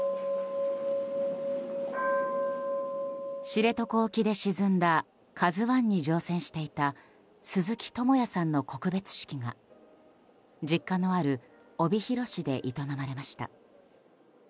知床沖で沈んだ「ＫＡＺＵ１」に乗船していた鈴木智也さんの告別式が実家のある帯広市で営まれました。